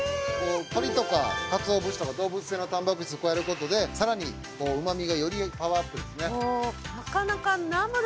鶏とかかつお節とか動物性のたんぱく質を加えることで更にこううま味がよりパワーアップですね。